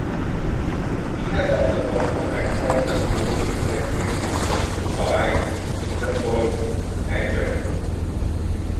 He has also performed across the globe in countries including Dubai, Luxembourg and Germany.